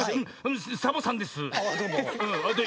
サボさんです。